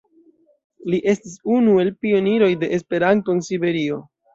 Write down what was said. Li estis unu el pioniroj de Esperanto en Siberio.